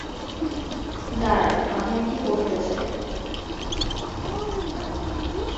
দাঁড়ান, আমি আগে করতে চাই।